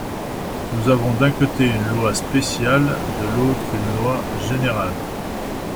Nous avons d’un côté une loi spéciale, de l’autre une loi générale.